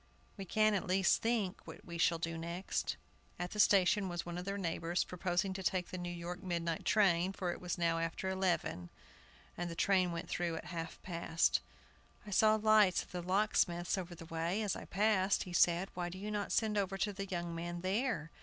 We can, at least, think what we shall do next." At the station was one of their neighbors, proposing to take the New York midnight train, for it was now after eleven, and the train went through at half past. "I saw lights at the locksmith's over the way, as I passed," he said; "why do not you send over to the young man there?